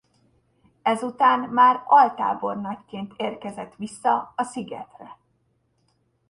Ezután már altábornagyként érkezett vissza a szigetre.